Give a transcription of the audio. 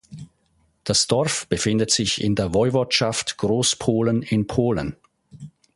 Das Dorf befindet sich in der Woiwodschaft Großpolen in Polen.